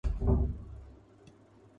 دیکھی ہے کبھی ایسی گھڑی